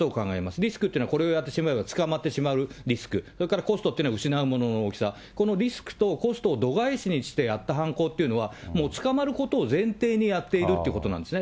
リスクっていうのは、これをやってしまえば捕まってしまうリスク、それからコストというのは失うものの大きさ、このリスクとコストを度外視にしてやった犯行というのは、もう捕まることを前提にやっているということなんですね。